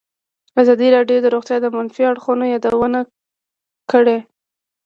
ازادي راډیو د روغتیا د منفي اړخونو یادونه کړې.